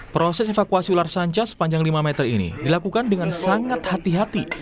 proses evakuasi ular sanca sepanjang lima meter ini dilakukan dengan sangat hati hati